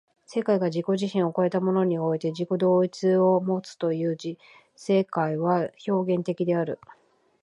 世界が自己自身を越えたものにおいて自己同一をもつという時世界は表現的である。